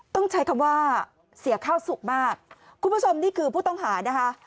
ต้องใช้คำว่าเสียข้าวสุขมากคุณผู้ชมนี่คือผู้ต้องหานะคะ